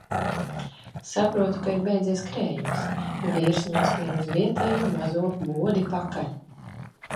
Saprotu, ka ir beidzies krējums. Vīrs noskrien uz vietējo mazo bodi pakaļ.